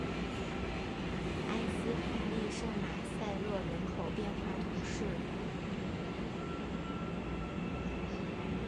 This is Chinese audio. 埃斯帕利圣马塞勒人口变化图示